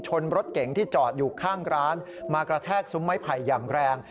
รถเก๋งที่จอดอยู่ข้างร้านมากระแทกซุ้มไม้ไผ่อย่างแรง